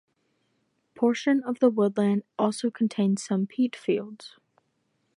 Portion of the woodland also contains some peat fields.